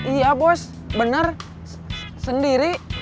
iya bos bener sendiri